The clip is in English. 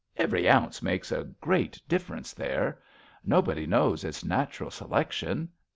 Every ounce Makes a great difference there. Nobody knows. It's natural selection.